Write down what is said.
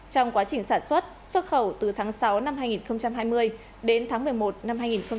trong quá trình sản xuất xuất khẩu từ tháng sáu năm hai nghìn hai mươi đến tháng một mươi một năm hai nghìn hai mươi